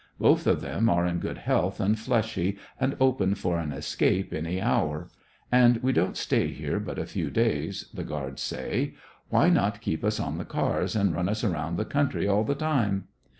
Both of them are in good health and fleshy, and open for an escape any hour. And w^e don't stay here but a few days, 4;lie guards say. Why not keep us on the cars and run us around the country all the time?